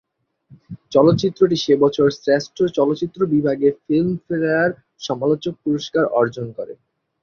চলচ্চিত্রটি সে বছর শ্রেষ্ঠ চলচ্চিত্র বিভাগে ফিল্মফেয়ার সমালোচক পুরস্কার অর্জন করে।